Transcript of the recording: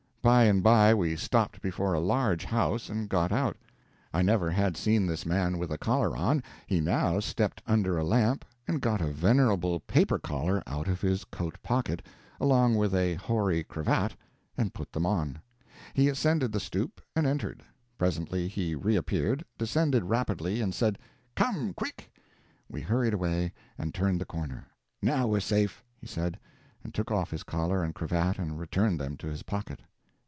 By and by we stopped before a large house and got out. I never had seen this man with a collar on. He now stepped under a lamp and got a venerable paper collar out of his coat pocket, along with a hoary cravat, and put them on. He ascended the stoop, and entered. Presently he reappeared, descended rapidly, and said: "Come quick!" We hurried away, and turned the corner. "Now we're safe," he said, and took off his collar and cravat and returned them to his pocket.